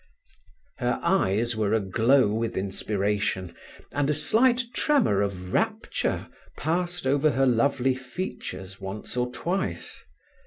Her eyes were aglow with inspiration, and a slight tremor of rapture passed over her lovely features once or twice.